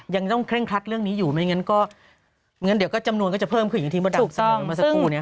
ยังต้องเคร่งครัดเรื่องนี้อยู่ไม่อย่างนั้นก็เดี๋ยวก็จำนวนก็จะเพิ่มคืออย่างที่บัดดับสมัยมาสักครู่นี้ค่ะ